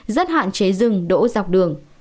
rất hạn chế rừng đỗ dọc đường